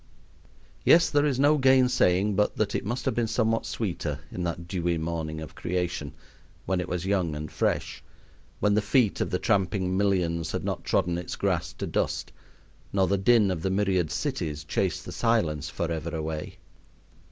Yet there is no gainsaying but that it must have been somewhat sweeter in that dewy morning of creation, when it was young and fresh, when the feet of the tramping millions had not trodden its grass to dust, nor the din of the myriad cities chased the silence forever away.